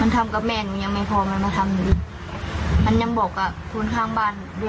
ต่อมา